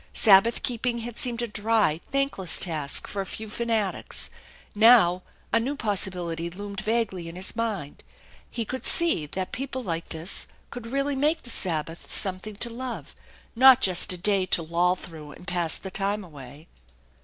Sabbath keeping had seemed a dry, thankless task for a few fanatics; now a new possibility loomed vaguely in his mind. He could see that people like this could really make the Sabbath something to THE ENCHANTED BARN 153 love, not just a day to loll through and pass the time away.